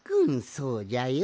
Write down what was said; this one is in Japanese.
そうじゃよ。